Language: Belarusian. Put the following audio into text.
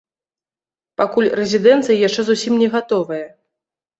Пакуль рэзідэнцыя яшчэ зусім не гатовая.